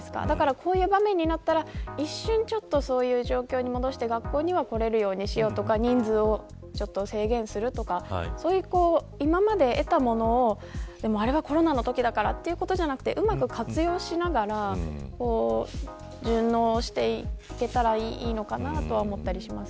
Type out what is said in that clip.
こういう場面になったら一瞬、そういう状況に戻して学校には来られるようにしようとか、人数制限をするとか今まで得たものをあれはコロナのときだからということではなくうまく活用しながら、順応していけたらいいのかなと思います。